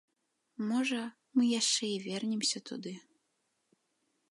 Можа, мы яшчэ і вернемся туды.